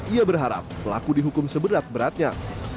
ia berharap pelaku dihukum seberat beratnya